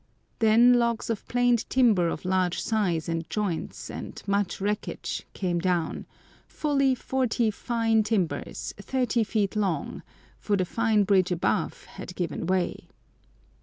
Then logs of planed timber of large size, and joints, and much wreckage, came down—fully forty fine timbers, thirty feet long, for the fine bridge above had given way.